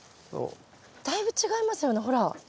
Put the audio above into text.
だいぶ違いますよねほら。